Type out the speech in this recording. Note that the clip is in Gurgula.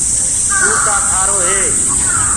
توُ ڪآ کآ کآرو هي؟